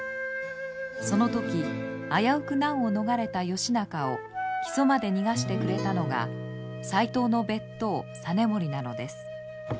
その時危うく難を逃れた義仲を木曽まで逃がしてくれたのが斎藤の別当実盛なのです。